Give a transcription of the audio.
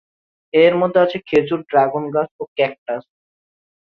এর মধ্যে আছে খেজুর, ড্রাগন গাছ ও ক্যাকটাস।